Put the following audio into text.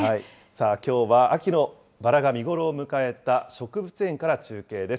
きょうは秋のバラが見頃を迎えた植物園から中継です。